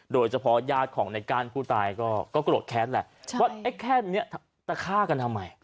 โดยเฉพาะญาติของในก้านผู้ตายก็กรดแค้นแหละว่าแค้นเนี้ยแต่ฆ่ากันทำไม